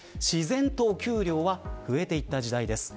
自然とお給料は増えていった時代です。